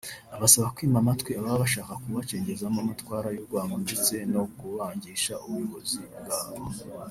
abasaba kwima amatwi ababa bashaka kubacengezamo amatwara y’urwango ndetse no kubangisha ubuyobozi bwabo